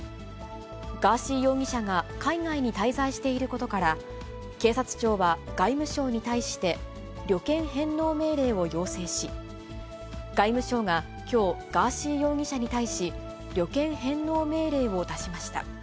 ガーシー容疑者が海外に滞在していることから、警察庁は外務省に対して、旅券返納命令を要請し、外務省がきょう、ガーシー容疑者に対し、旅券返納命令を出しました。